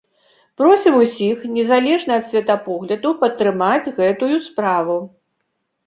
Просім усіх, незалежна ад светапогляду, падтрымаць гэтую справу.